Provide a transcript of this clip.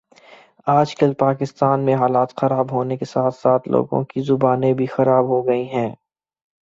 آج کل پاکستان میں حالات خراب ہونے کے ساتھ ساتھ لوگوں کی زبانیں بھی خراب ہو گئی ہیں